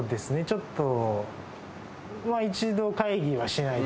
ちょっと。